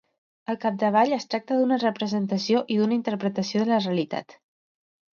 Al capdavall, es tracta d'una representació i d'una interpretació de la realitat.